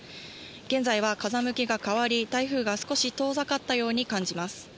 現在は風向きが変わり、台風が少し遠ざかったように感じます。